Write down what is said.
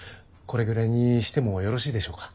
これぐらいにしてもよろしいでしょうか。